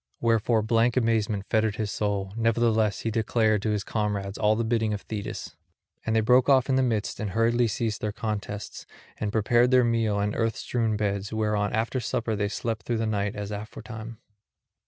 Wherefore blank amazement fettered his soul; nevertheless he declared to his comrades all the bidding of Thetis. And they broke off in the midst and hurriedly ceased their contests, and prepared their meal and earth strewn beds, whereon after supper they slept through the night as aforetime.